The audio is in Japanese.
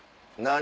何？」